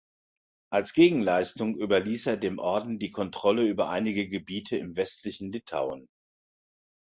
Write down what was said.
Als Gegenleistung überließ er dem Orden die Kontrolle über einige Gebiete im westlichen Litauen.